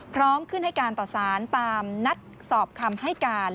พร้อมขึ้นให้การต่อสารตามนัดสอบคำให้การ